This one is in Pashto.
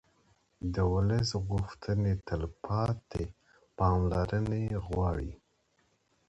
د ولس غوښتنې تلپاتې پاملرنه غواړي